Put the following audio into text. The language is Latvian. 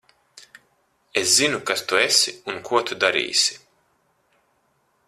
Es zinu, kas tu esi un ko tu darīsi.